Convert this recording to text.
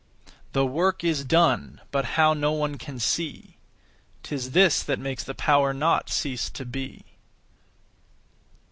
The work is done, but how no one can see; 'Tis this that makes the power not cease to be.